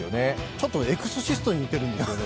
ちょっと「エクソシスト」に似てるんですよね。